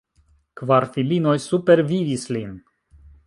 Kvar filinoj supervivis lin.